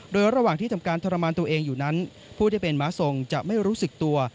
โดยระหว่างที่ทำการทรมานตัวเองอยู่นั้นผู้ที่เป็นม้าทรงจะไม่รู้สึกตัว